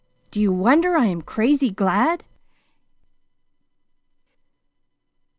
Do you wonder I am crazy glad?"